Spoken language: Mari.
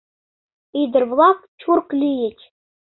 Ӱдыр-влак чурк лийыч.